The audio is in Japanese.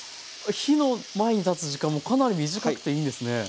火の前に立つ時間もかなり短くていいんですね。